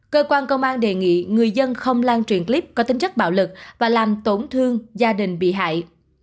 cơ quan công an đề nghị người dân không lan truyền clip có tính chất bạo lực và làm tổn thương gia đình bị hại